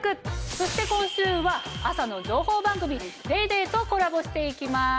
そして今週は朝の情報番組『ＤａｙＤａｙ．』とコラボしていきます。